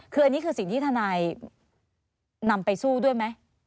คืออันนี้คือสิ่งที่ทนายนำไปสู้ด้วยไหม